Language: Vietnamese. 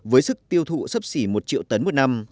với sức tiêu thụ sấp xỉ một triệu tấn một năm